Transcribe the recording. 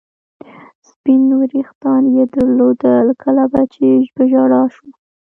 سپین وریښتان یې درلودل، کله به چې په ژړا شوه.